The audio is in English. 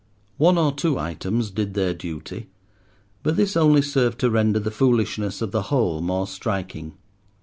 One or two items did their duty, but this only served to render the foolishness of the whole more striking.